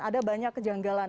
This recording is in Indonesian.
ada banyak kejanggalan